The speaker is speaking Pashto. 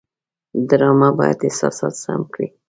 ډرامه باید احساسات سم کړي